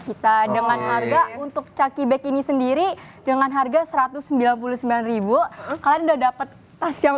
kita dengan harga untuk cakebag ini sendiri dengan harga satu ratus sembilan puluh sembilan kalian udah dapat tas yang